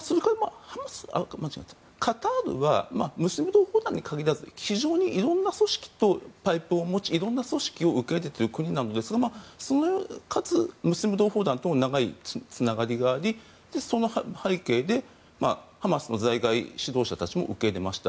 カタールはムスリム同胞団に限らず非常に色んな組織とパイプを持ち色んな組織を受け入れている国なんですがかつ、ムスリム同胞団とも長いつながりがありその背景でハマスの在外指導者たちも受け入れました。